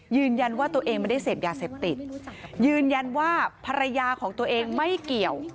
ยืนยันว่าตัวเองไม่ได้เสพยาเสพติดยืนยันว่าภรรยาของตัวเองไม่เกี่ยว